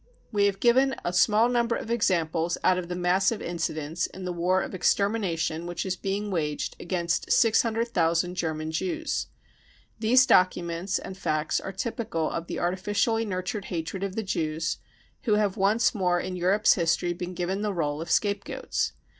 We have given a small number of examples out of the mass of incidents in the war of extermination which is being waged against 600,000 German Jews. These documents and facts are typical of the artificially nurtured hatred of the Jews, who have once more in Europe 5 s history been given the role of scapegoats.